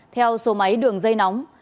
theo số máy đường dây nóng